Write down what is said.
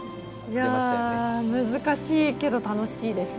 いや難しいけど楽しいです。